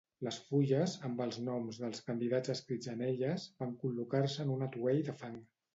Les fulles, amb els noms dels candidats escrits en elles, van col·locar-se en un atuell de fang.